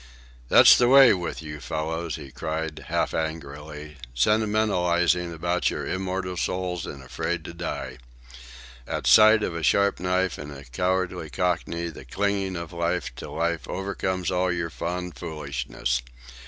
"That's the way with you fellows," he cried, half angrily, "sentimentalizing about your immortal souls and afraid to die. At sight of a sharp knife and a cowardly Cockney the clinging of life to life overcomes all your fond foolishness.